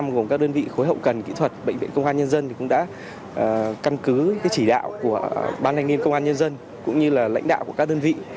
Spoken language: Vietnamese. cụm thi đua số năm gồm các đơn vị khối hậu cần kỹ thuật bệnh viện công an nhân dân cũng đã căn cứ chỉ đạo của ban thanh niên công an nhân dân cũng như là lãnh đạo của các đơn vị